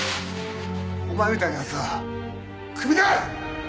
お前みたいな奴はクビだ！